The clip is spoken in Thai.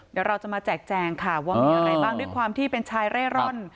เดี๋ยวเราจะมาแจกแจงค่ะว่ามีอะไรบ้างด้วยความที่เป็นชายเร่ร่อน